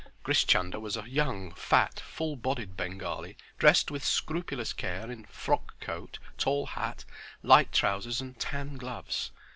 Grish Chunder was a young, fat, full bodied Bengali dressed with scrupulous care in frock coat, tall hat, light trousers and tan gloves.